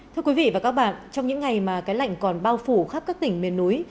thưa quý vị và các bạn trong những ngày mà cái lạnh còn bao phủ khắp các tỉnh miền núi